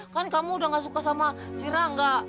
kan kamu udah nggak suka sama si rangga